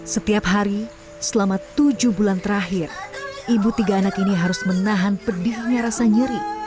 setiap hari selama tujuh bulan terakhir ibu tiga anak ini harus menahan pedihnya rasa nyeri